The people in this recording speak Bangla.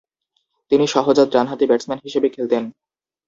তিনি সহজাত ডানহাতি ব্যাটসম্যান হিসেবে খেলতেন।